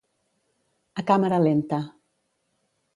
A càmera lenta.